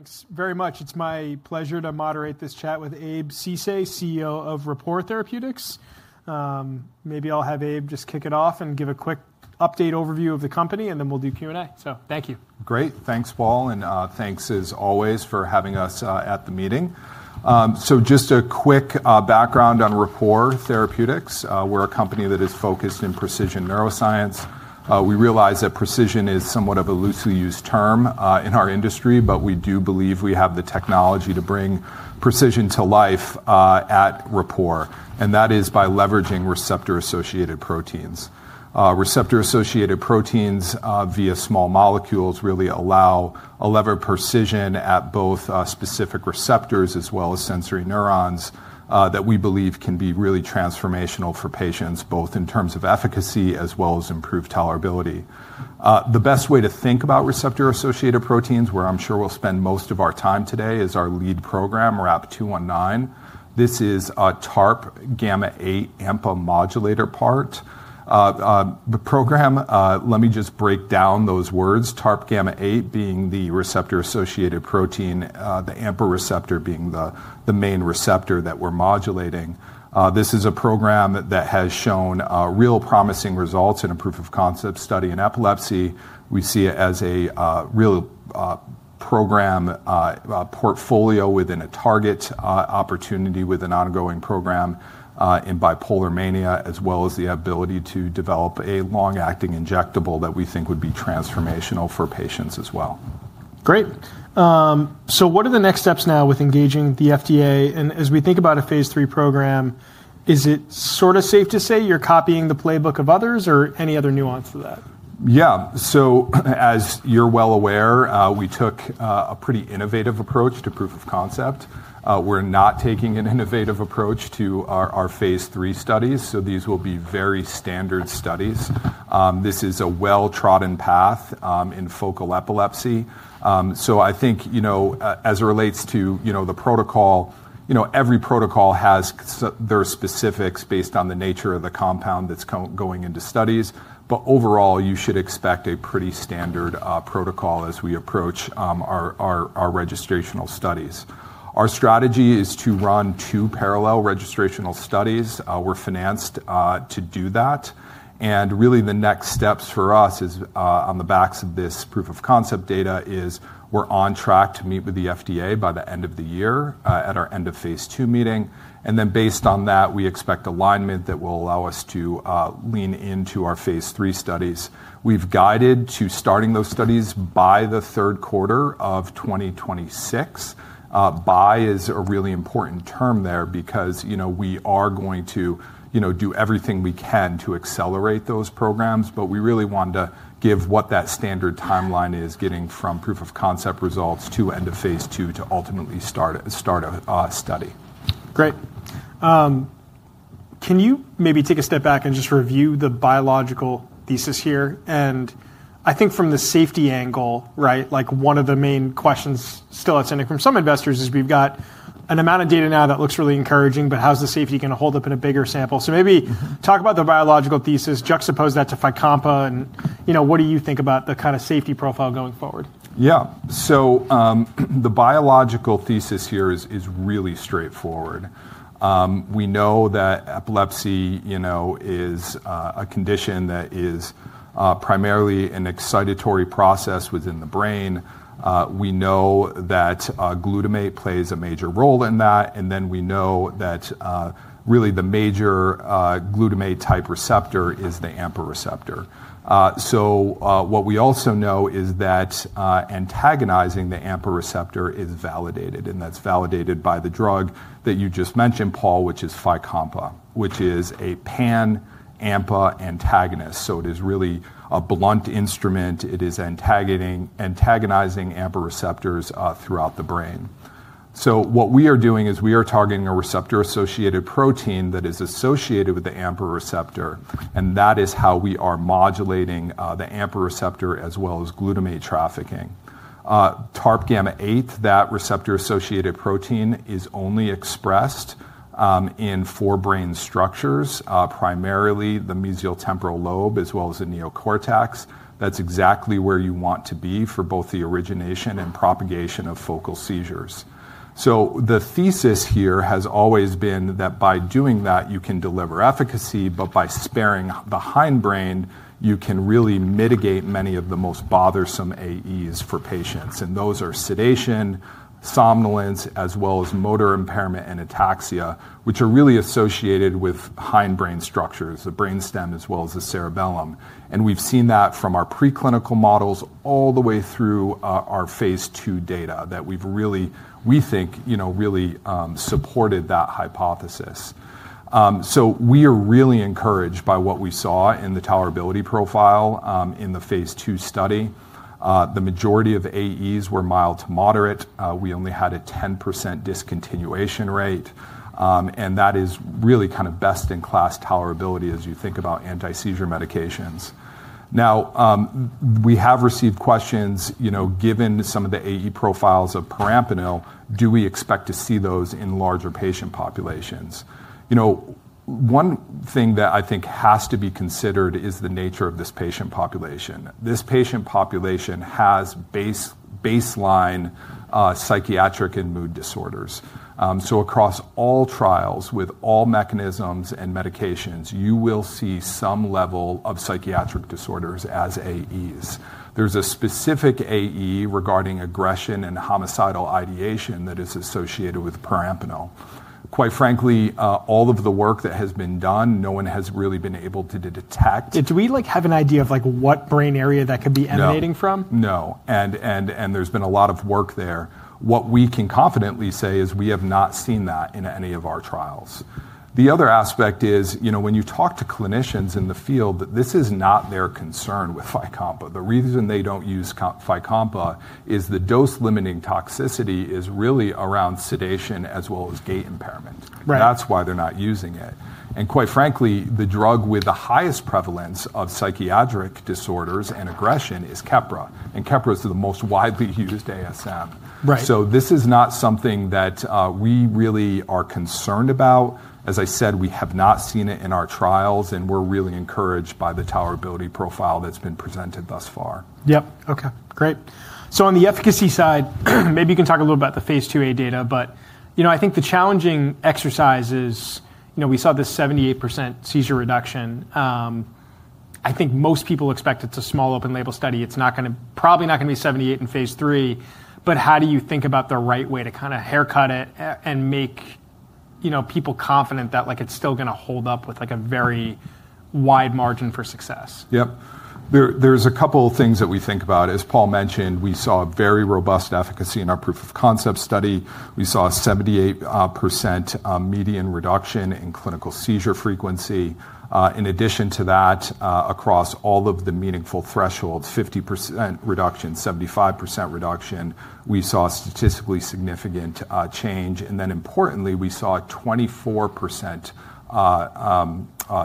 Thanks very much. It's my pleasure to moderate this chat with Abe Ceesay, CEO of Rapport Therapeutics. Maybe I'll have Abe just kick it off and give a quick overview of the company, and then we'll do Q&A. Thank you. Great. Thanks, Paul. Thanks, as always, for having us at the meeting. Just a quick background on Rapport Therapeutics. We're a company that is focused on precision neuroscience. We realize that precision is somewhat of a loosely used term in our industry, but we do believe we have the technology to bring precision to life at Rapport. That is by leveraging receptor-associated proteins. Receptor-associated proteins via small molecules really allow a level of precision at both specific receptors as well as sensory neurons, which we believe can be truly transformational for patients, both in terms of efficacy and improved tolerability. The best way to think about receptor-associated proteins, where I'm sure we'll spend most of our time today, is our lead program, RAP-219. This is a TARP gamma-8 AMPA modulator. The program let me just break down those words: TARP gamma-8 being the receptor-associated protein, the AMPA receptor being the main receptor that we're modulating. This is a program that has shown really promising results in a proof-of-concept study in epilepsy. We see it as a real program portfolio within a target opportunity with an ongoing program in bipolar mania, as well as the ability to develop a long-acting injectable, which we think would be transformational for patients as well. Great. What are the next steps now with engaging the FDA? As we think about a phase three program, is it sort of safe to say you're copying the playbook of others or any other nuance to that? Yeah. So, as you're well aware, we took a pretty innovative approach to proof of concept. We're not taking an innovative approach to our phase three studies. These will be very standard studies. This is a well-trodden path in focal epilepsy. I think, as it relates to the protocol, every protocol has its specifics based on the nature of the compound that's going into studies. Overall, you should expect a pretty standard protocol as we approach our registrational studies. Our strategy is to run two parallel registrational studies. We're financed to do that. Really, the next steps for us, based on this proof-of-concept data, are that we're on track to meet with the FDA by the end of the year at our end-of-phase-two meeting. Then, based on that, we expect alignment that will allow us to proceed with our phase three studies. We've guided to start those studies by the third quarter of 2026. "By" is an important term because we are going to do everything we can to accelerate these programs. We really want to respect the standard timeline from proof-of-concept results to the end of phase two, ultimately leading to the start of a study. Great. Great. Can you take a step back and review the biological thesis here? From the safety perspective, one of the main questions still pending from some investors is that we now have data that looks really encouraging, but how will the safety hold up in a larger sample? Maybe discuss the biological thesis, compare it to FICOMPA, and your thoughts on the safety profile going forward. Yeah. The biological thesis here is straightforward. Epilepsy is primarily an excitatory process within the brain. Glutamate plays a major role in that. The main glutamate-type receptor is the AMPA receptor. Antagonizing the AMPA receptor is a validated approach, as evidenced by the drug you just mentioned, Paul FICOMPA a pan-AMPA antagonist. It is a blunt instrument, antagonizing AMPA receptors throughout the brain. What we are doing is targeting a receptor-associated protein linked to the AMPA receptor. That is how we modulate the AMPA receptor as well as glutamate trafficking. TARP gamma-8, the receptor-associated protein, is only expressed in four brain structures, primarily the mesial temporal lobe and the neocortex. That is exactly where you want to target both the origination and propagation of focal seizures. The thesis has always been that by doing this, you can achieve efficacy while sparing the hindbrain, mitigating many of the most bothersome adverse events (AEs) for patients sedation, somnolence, motor impairment, and ataxia associated with hindbrain structures such as the brainstem and cerebellum. We have observed this from our preclinical models through our phase two data, which we believe strongly supports this hypothesis. We are encouraged by the tolerability profile in the phase two study, with most AEs being mild to moderate. We only had a 10% discontinuation rate. That is really kind of best-in-class tolerability as you think about anti-seizure medications. We have received questions given some of the AE profiles of parenthenol. Do we expect to see those in larger patient populations? One thing that I think has to be considered is the nature of this patient population. This patient population has baseline psychiatric and mood disorders. Across all trials with all mechanisms and medications, you will see some level of psychiatric disorders as AEs. There is a specific AE regarding aggression and homicidal ideation that is associated with parenthenol. Quite frankly, all of the work that has been done, no one has really been able to detect. Do we have an idea of what brain area that could be emanating from? No. There has been a lot of work there. What we can confidently say is we have not seen that in any of our trials. The other aspect is when you talk to clinicians in the field, this is not their concern with FICOMPA. The reason they do not use FICOMPA is the dose-limiting toxicity is really around sedation as well as gait impairment. That is why they are not using it. Quite frankly, the drug with the highest prevalence of psychiatric disorders and aggression is Keppra. Keppra is the most widely used ASM. This is not something that we really are concerned about. As I said, we have not seen it in our trials. We are really encouraged by the tolerability profile that has been presented thus far. Yep. OK, great. On the efficacy side, could you discuss the phase 2A data? The challenging part is that we observed a 78% seizure reduction. Since it was a small open-label study, most people expect the reduction will not be 78% in phase three. How do you approach this to manage expectations and give confidence that efficacy will hold up with a reasonable margin for success? Yep. There's a couple of things that we think about. As Paul mentioned, we saw very robust efficacy in our proof of concept study. We saw a 78% median reduction in clinical seizure frequency. In addition to that, across all of the meaningful thresholds, 50% reduction, 75% reduction, we saw statistically significant change. Importantly, we saw a 24%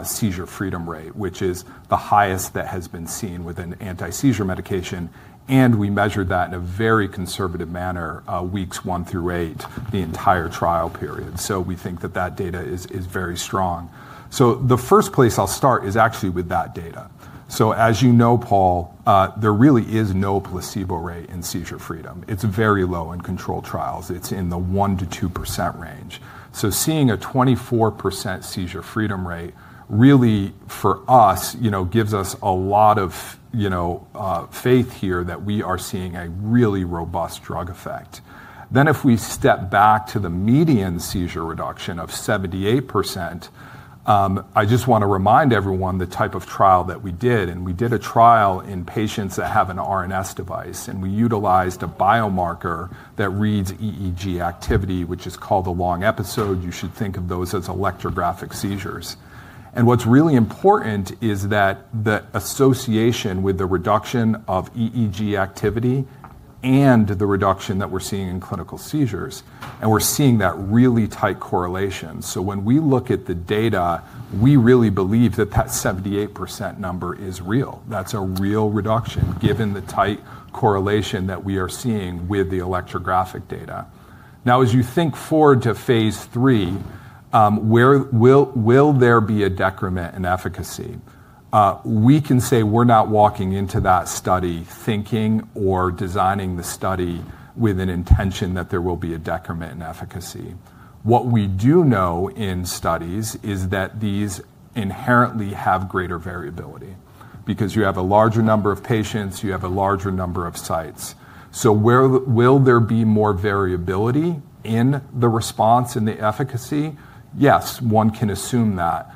seizure freedom rate, which is the highest that has been seen with an anti-seizure medication. We measured that in a very conservative manner, weeks one through eight, the entire trial period. We think that that data is very strong. The first place I'll start is actually with that data. As you know, Paul, there really is no placebo rate in seizure freedom. It's very low in controlled trials. It's in the 1%-2% range. Seeing a 24% seizure freedom rate really, for us, gives us a lot of faith here that we are seeing a really robust drug effect. If we step back to the median seizure reduction of 78%, I just want to remind everyone the type of trial that we did. We did a trial in patients that have an RNS device. We utilized a biomarker that reads EEG activity, which is called the long episode. You should think of those as electrographic seizures. What's really important is the association with the reduction of EEG activity and the reduction that we're seeing in clinical seizures. We're seeing that really tight correlation. When we look at the data, we really believe that that 78% number is real. That's a real reduction given the tight correlation that we are seeing with the electrographic data. Now, as you think forward to phase three, will there be a decrement in efficacy? We can say we're not walking into that study thinking or designing the study with an intention that there will be a decrement in efficacy. What we do know in studies is that these inherently have greater variability because you have a larger number of patients, you have a larger number of sites. Will there be more variability in the response and the efficacy? Yes, one can assume that.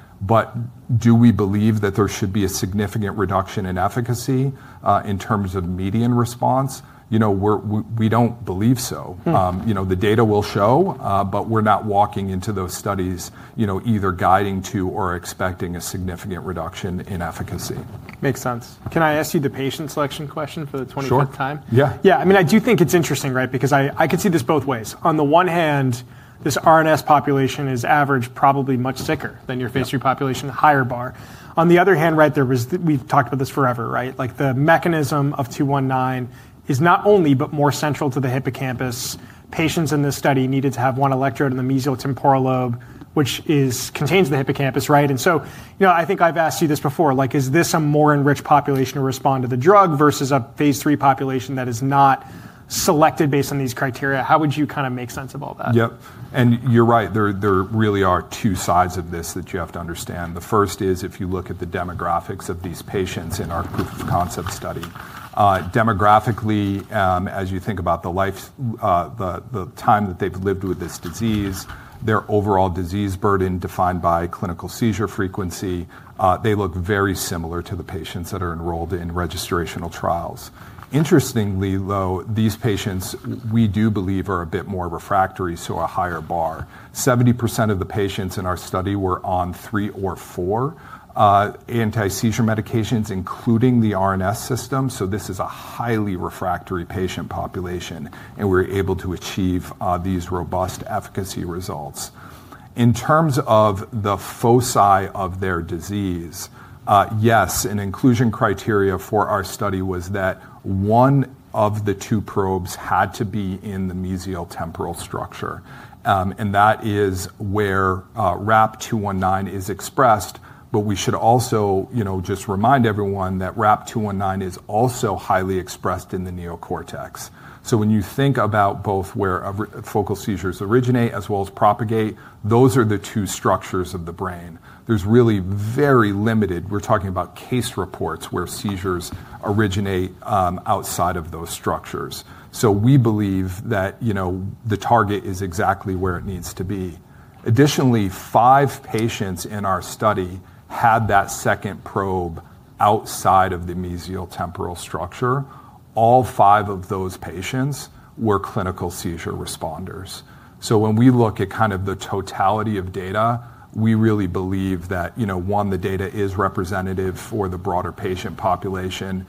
Do we believe that there should be a significant reduction in efficacy in terms of median response? We don't believe so. The data will show. We're not walking into those studies either guiding to or expecting a significant reduction in efficacy. Makes sense. Can I ask you the patient selection question for the 20% time? Sure. Yeah. Yeah. I mean, I do think it's interesting, right, because I could see this both ways. On the one hand, this RNS population is averaged probably much sicker than your phase three population, higher bar. On the other hand, right, we've talked about this forever, right? The mechanism of 219 is not only but more central to the hippocampus. Patients in this study needed to have one electrode in the mesial temporal lobe, which contains the hippocampus, right? I think I've asked you this before. Is this a more enriched population to respond to the drug versus a phase three population that is not selected based on these criteria? How would you kind of make sense of all that? Yep. You're right. There really are two sides of this that you have to understand. The first is if you look at the demographics of these patients in our proof of concept study. Demographically, as you think about the time that they've lived with this disease, their overall disease burden defined by clinical seizure frequency, they look very similar to the patients that are enrolled in registrational trials. Interestingly, though, these patients, we do believe, are a bit more refractory, so a higher bar. 70% of the patients in our study were on three or four anti-seizure medications, including the RNS system. This is a highly refractory patient population. We were able to achieve these robust efficacy results. In terms of the foci of their disease, yes, an inclusion criteria for our study was that one of the two probes had to be in the mesial temporal structure. That is where RAP-219 is expressed. We should also just remind everyone that RAP-219 is also highly expressed in the neocortex. When you think about both where focal seizures originate as well as propagate, those are the two structures of the brain. There is really very limited—we are talking about case reports—where seizures originate outside of those structures. We believe that the target is exactly where it needs to be. Additionally, five patients in our study had that second probe outside of the mesial temporal structure. All five of those patients were clinical seizure responders. When we look at kind of the totality of data, we really believe that, one, the data is representative for the broader patient population.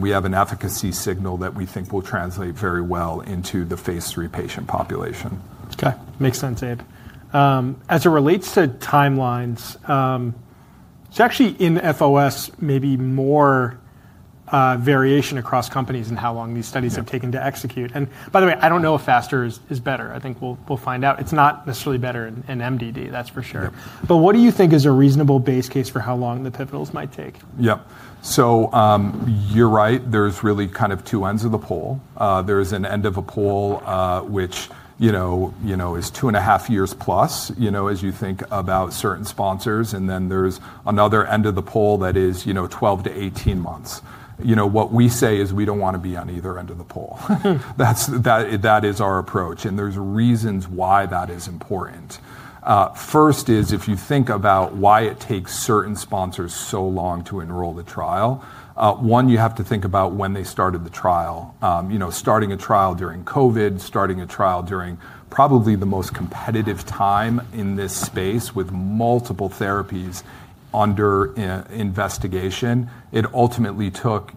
We have an efficacy signal that we think will translate very well into the phase three patient population. OK. Makes sense, Abe. As it relates to timelines, it's actually in FOS, maybe more variation across companies in how long these studies have taken to execute. By the way, I don't know if faster is better. I think we'll find out. It's not necessarily better in MDD, that's for sure. What do you think is a reasonable base case for how long the pivotals might take? Yep. So you're right. There's really kind of two ends of the pole. There is an end of a pole which is 2 and 1/2 years plus as you think about certain sponsors. And then there's another end of the pole that is 12-18 months. What we say is we don't want to be on either end of the pole. That is our approach. And there's reasons why that is important. First is if you think about why it takes certain sponsors so long to enroll the trial, one, you have to think about when they started the trial. Starting a trial during COVID, starting a trial during probably the most competitive time in this space with multiple therapies under investigation, it ultimately took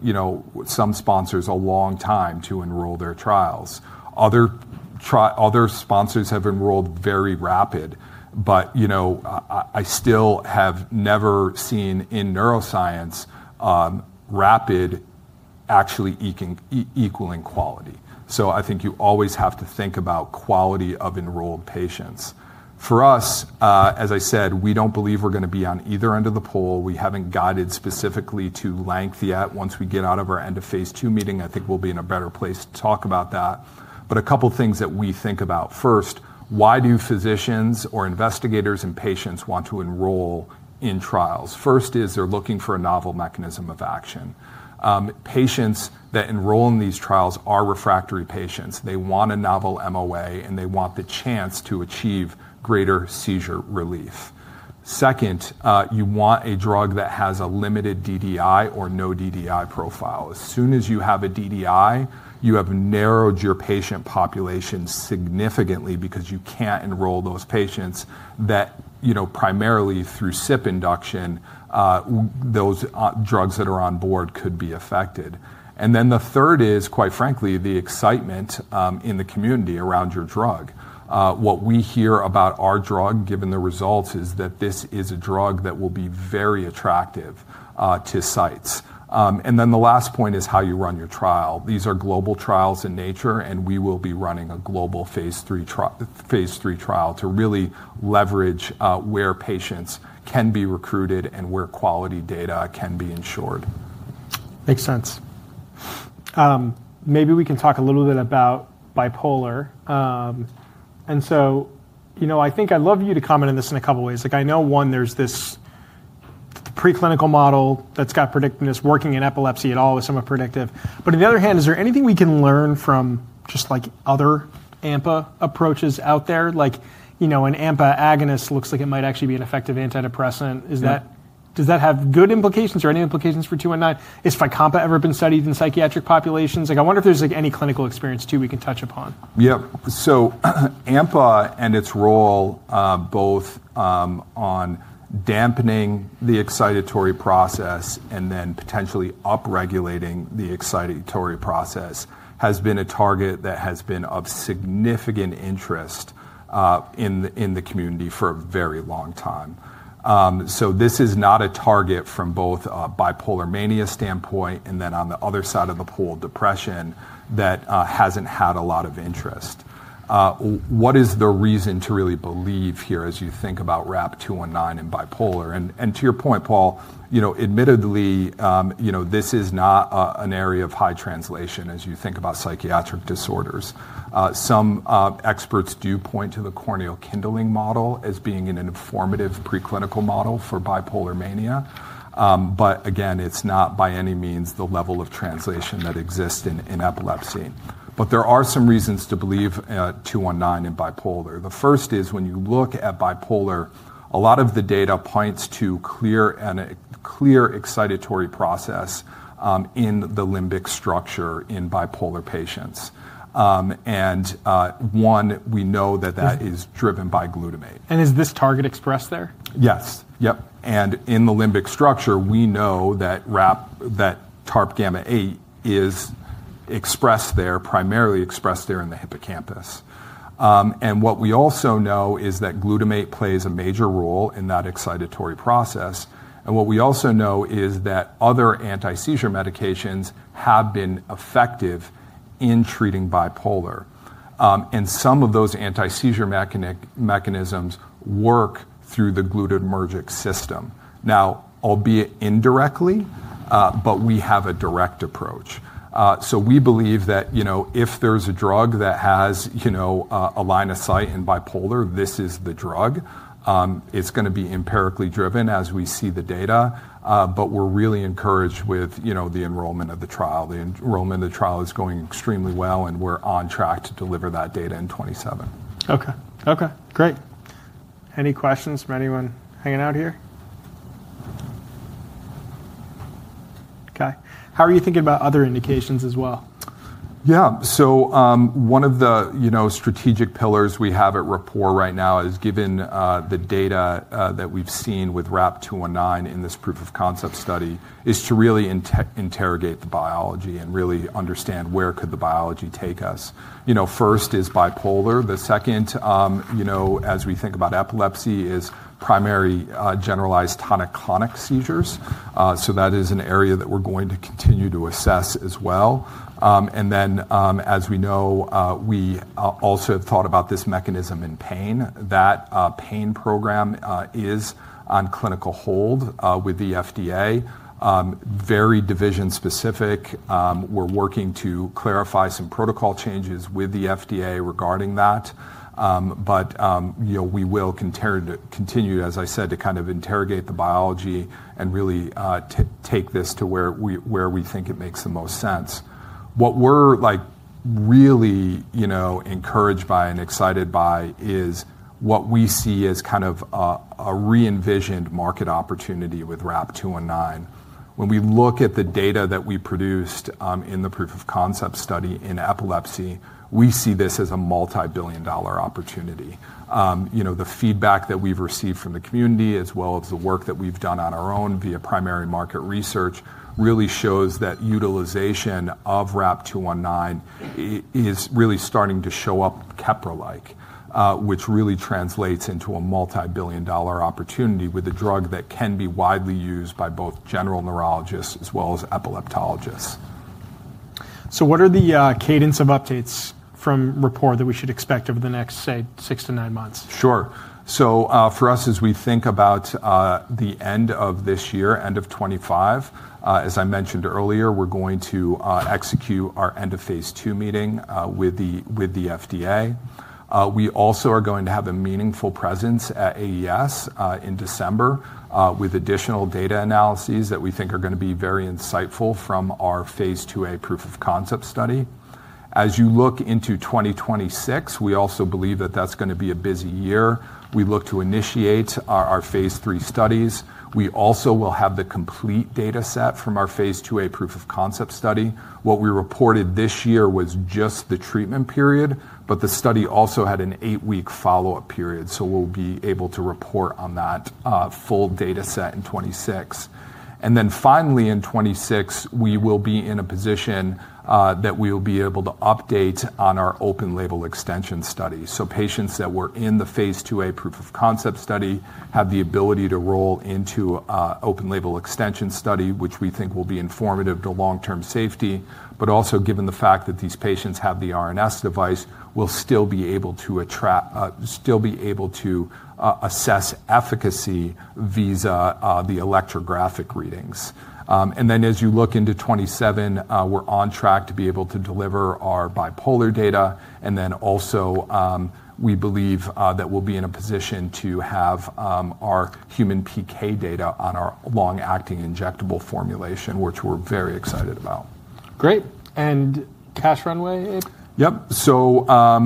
some sponsors a long time to enroll their trials. Other sponsors have enrolled very rapid. I still have never seen in neuroscience rapid actually equal in quality. I think you always have to think about quality of enrolled patients. For us, as I said, we do not believe we are going to be on either end of the pole. We have not guided specifically to length yet. Once we get out of our end of phase two meeting, I think we will be in a better place to talk about that. A couple of things that we think about. First, why do physicians or investigators and patients want to enroll in trials? First is they are looking for a novel mechanism of action. Patients that enroll in these trials are refractory patients. They want a novel MOA. They want the chance to achieve greater seizure relief. Second, you want a drug that has a limited DDI or no DDI profile. As soon as you have a DDI, you have narrowed your patient population significantly because you can't enroll those patients that primarily through SIP induction, those drugs that are on board could be affected. The third is, quite frankly, the excitement in the community around your drug. What we hear about our drug, given the results, is that this is a drug that will be very attractive to sites. The last point is how you run your trial. These are global trials in nature. We will be running a global phase three trial to really leverage where patients can be recruited and where quality data can be ensured. Makes sense. Maybe we can talk a little bit about bipolar. I think I'd love you to comment on this in a couple of ways. I know, one, there's this preclinical model that's got predictiveness working in epilepsy at all is somewhat predictive. On the other hand, is there anything we can learn from just other AMPA approaches out there? An AMPA agonist looks like it might actually be an effective antidepressant. Does that have good implications or any implications for 219? Has FICOMPA ever been studied in psychiatric populations? I wonder if there's any clinical experience too we can touch upon. Yep. AMPA and its role both on dampening the excitatory process and then potentially upregulating the excitatory process has been a target that has been of significant interest in the community for a very long time. This is not a target from both bipolar mania standpoint and then on the other side of the pole, depression, that hasn't had a lot of interest. What is the reason to really believe here as you think about RAP-219 and bipolar? To your point, Paul, admittedly, this is not an area of high translation as you think about psychiatric disorders. Some experts do point to the corneal kindling model as being an informative preclinical model for bipolar mania. Again, it's not by any means the level of translation that exists in epilepsy. There are some reasons to believe 219 in bipolar. The first is when you look at bipolar, a lot of the data points to a clear excitatory process in the limbic structure in bipolar patients. One, we know that that is driven by glutamate. Is this target expressed there? Yes. Yep. In the limbic structure, we know that TARP gamma-8 is expressed there, primarily expressed there in the hippocampus. What we also know is that glutamate plays a major role in that excitatory process. What we also know is that other anti-seizure medications have been effective in treating bipolar. Some of those anti-seizure mechanisms work through the glutamatergic system, now, albeit indirectly. We have a direct approach. We believe that if there is a drug that has a line of sight in bipolar, this is the drug. It is going to be empirically driven as we see the data. We are really encouraged with the enrollment of the trial. The enrollment of the trial is going extremely well. We are on track to deliver that data in 2027. OK. OK. Great. Any questions from anyone hanging out here? OK. How are you thinking about other indications as well? Yeah. One of the strategic pillars we have at Rapport right now is given the data that we've seen with RAP-219 in this proof of concept study is to really interrogate the biology and really understand where could the biology take us. First is bipolar. The second, as we think about epilepsy, is primary generalized tonic-clonic seizures. That is an area that we're going to continue to assess as well. As we know, we also have thought about this mechanism in pain. That pain program is on clinical hold with the FDA, very division-specific. We're working to clarify some protocol changes with the FDA regarding that. We will continue, as I said, to kind of interrogate the biology and really take this to where we think it makes the most sense. What we're really encouraged by and excited by is what we see as kind of a re-envisioned market opportunity with RAP-219. When we look at the data that we produced in the proof of concept study in epilepsy, we see this as a multi-billion dollar opportunity. The feedback that we've received from the community, as well as the work that we've done on our own via primary market research, really shows that utilization of RAP-219 is really starting to show up Keppra-like, which really translates into a multi-billion dollar opportunity with a drug that can be widely used by both general neurologists as well as epileptologists. What are the cadence of updates from Rapport that we should expect over the next, say, six to nine months? Sure. So for us, as we think about the end of this year, end of 2025, as I mentioned earlier, we're going to execute our end of phase two meeting with the FDA. We also are going to have a meaningful presence at AES in December with additional data analyses that we think are going to be very insightful from our phase 2A proof of concept study. As you look into 2026, we also believe that that's going to be a busy year. We look to initiate our phase three studies. We also will have the complete data set from our phase 2A proof of concept study. What we reported this year was just the treatment period. But the study also had an eight-week follow-up period. So we'll be able to report on that full data set in 2026. Finally, in 2026, we will be in a position that we will be able to update on our open label extension study. Patients that were in the phase 2A proof of concept study have the ability to roll into open label extension study, which we think will be informative to long-term safety. Also, given the fact that these patients have the RNS device, we'll still be able to assess efficacy vis-a-vis the electrographic readings. As you look into 2027, we're on track to be able to deliver our bipolar data. Also, we believe that we'll be in a position to have our human PK data on our long-acting injectable formulation, which we're very excited about. Great. Cash runway, Abe? Yep.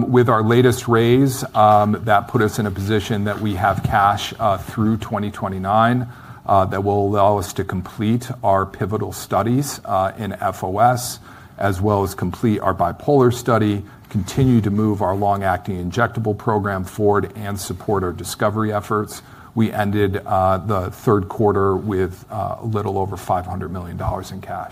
With our latest raise, that put us in a position that we have cash through 2029 that will allow us to complete our pivotal studies in FOS, as well as complete our bipolar study, continue to move our long-acting injectable program forward, and support our discovery efforts. We ended the third quarter with a little over $500 million in cash.